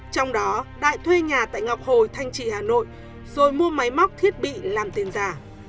trong đó đại thuê nhà tại ngọc hồi thanh trị hà nội rồi mua máy móc thiết bị làm tiền giả